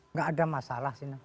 nggak ada masalah sih